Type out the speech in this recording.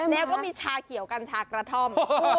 แล้วก็มีชาเขียวกัญชากระท่อม